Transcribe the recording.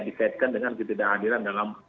dikaitkan dengan ketidak hadiran dalam